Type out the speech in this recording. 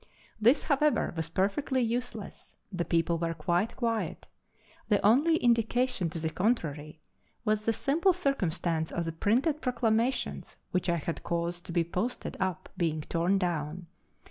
This, however, was perfectly useless; the people were quite quiet; the only indi cation to the contrary was the simple circumstance of the printed proclamations which I had caused to be posted up being torn down.